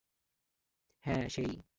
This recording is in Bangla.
হ্যাঁ, সে-ই।